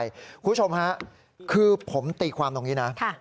คุณผู้ชมฮะคือผมตีความตรงนี้นะ